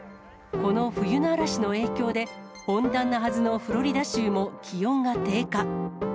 この冬の嵐の影響で、温暖なはずのフロリダ州も気温が低下。